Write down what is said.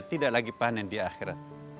tidak lagi panen di akhirat